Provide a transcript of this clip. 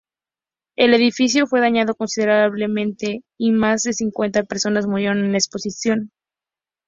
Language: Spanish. El edificio fue dañado considerablemente, y más de cincuenta personas murieron en la explosión.